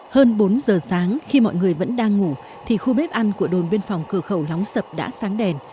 hơn bốn giờ sáng khi mọi người vẫn đang ngủ thì khu bếp ăn của đồn biên phòng cửa khẩu lóng sập đã sáng đèn